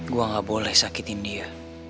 gue gak boleh sakitin dia